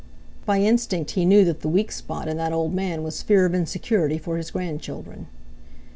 By instinct he knew that the weak spot in that old man was fear of insecurity for his grandchildren.